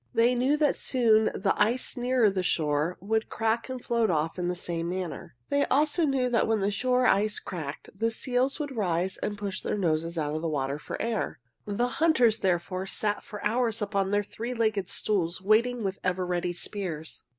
They knew that soon the ice nearer shore would crack and float off in the same manner. They knew also that when the shore ice cracked the seals would rise and push their noses out of the water for air. The hunters, therefore, sat for hours upon their three legged stools, waiting with ever ready spears.